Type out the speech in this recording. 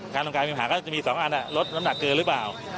คานตรงกลางมีปัญหาก็จะมี๒อันละลดน้ำหนักเกลือหรือเปล่า